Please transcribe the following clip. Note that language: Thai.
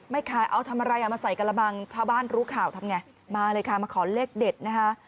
ขายเอาทำอะไรเอามาใส่กระบังชาวบ้านรู้ข่าวทำไงมาเลยค่ะมาขอเลขเด็ดนะคะ